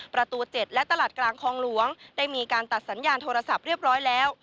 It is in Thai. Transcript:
ประตู๗และตลาดกลางคลองหลวงได้มีการตัดสัญญาณโทรศัพท์เรียบร้อยแล้ว